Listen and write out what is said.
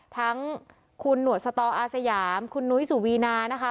ทั้งคุณหนวดสตออาสยามคุณนุ้ยสุวีนานะคะ